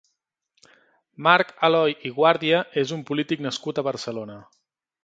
Marc Aloy i Guàrdia és un polític nascut a Barcelona.